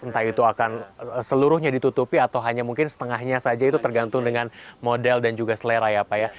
entah itu akan seluruhnya ditutupi atau hanya mungkin setengahnya saja itu tergantung dengan model dan juga selera ya pak ya